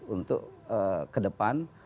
untuk ke depan